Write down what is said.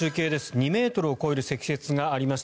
２ｍを超える積雪がありました